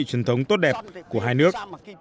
truyền thống tốt đẹp của hai nước